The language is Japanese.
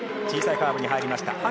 小さいカーブに入りました。